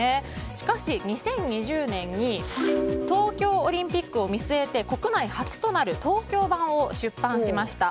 しかし、２０２０年に東京オリンピックを見据えて国内初となる東京版を出版しました。